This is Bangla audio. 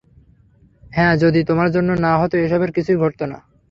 হ্যাঁ, যদি তোমার জন্যে না হত, এসবের কিছুই ঘটত না।